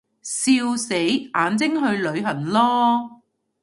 笑死，眼睛去旅行囉